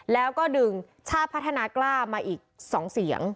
แล้วก็ดึงชาติพัฒนากล้ามาอีก๒เสียง